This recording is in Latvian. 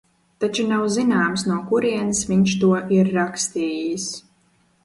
Taču nav zināms, no kurienes viņš to ir rakstījis.